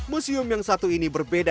museum yang satu ini berbeda